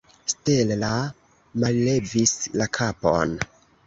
Stella mallevis la kapon.